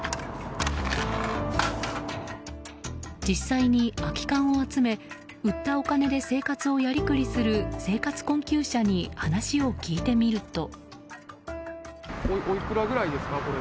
実際に空き缶を集め売ったお金で生活をやりくりする生活困窮者に話を聞いてみると。